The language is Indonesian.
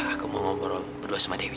aku mau ngobrol berdua sama dewi